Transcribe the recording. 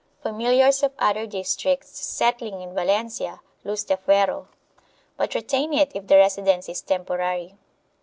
Familiars of other districts settling in Valencia lose the fuero, but retain it if the residence is temporary.